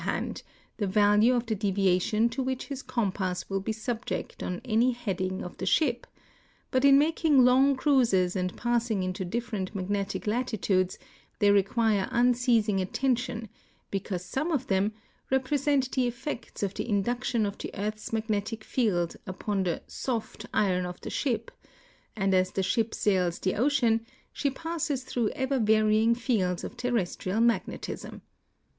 l 272 THE COMPASS IN MODERN NA VIGATION the value of the deviation to which his compass will be subject on any heading of the ship; but in making long cruises and passing into different magnetic latitudes they require unceasing attention, because some of them represent the effects of the in duction of the earth's magnetic field upon the " soft " iron of the ship, and as the ship sails the ocean she passes through ever varying fields of terrestrial magnetism.